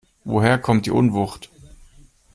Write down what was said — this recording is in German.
Woher kommt die Unwucht?